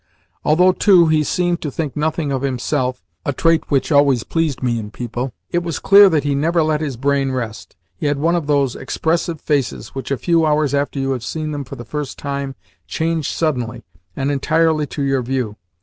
Although, too, he seemed to think nothing of himself (a trail which always pleased me in people), it was clear that he never let his brain rest. He had one of those expressive faces which, a few hours after you have seen them for the first time, change suddenly and entirely to your view.